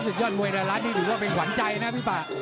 สุดยอดมวยในรัฐนี่ถือว่าเป็นหวานใจนะพี่ป่า